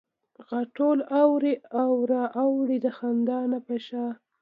غاټول اوړي او را اوړي د خندا نه په شا